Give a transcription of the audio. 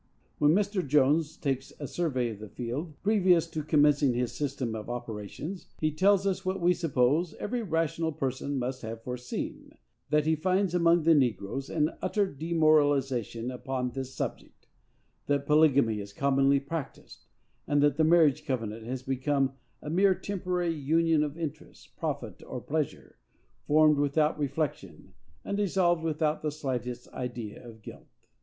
When Mr. Jones takes a survey of the field, previous to commencing his system of operations, he tells us, what we suppose every rational person must have foreseen, that he finds among the negroes an utter demoralization upon this subject; that polygamy is commonly practised, and that the marriage covenant has become a mere temporary union of interest, profit or pleasure, formed without reflection, and dissolved without the slightest idea of guilt.